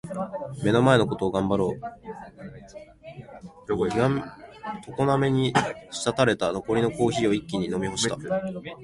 「目の前のことを頑張ろう」苦めに淹れた残りのコーヒーを一気に飲み干した。